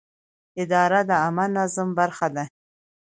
اداره د عامه نظم برخه ده.